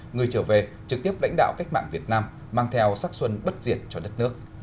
người trở về trực tiếp lãnh đạo cách mạng việt nam mang theo sắc xuân bất diệt cho đất nước